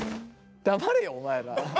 黙れよお前ら。